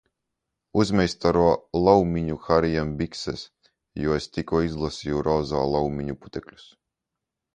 Uzmeistaro Laumiņu Harijam bikses, jo, es tikko uztaisīju rozā laumiņu putekļus!